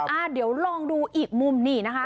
อ่าเดี๋ยวลองดูอีกมุมนี่นะคะ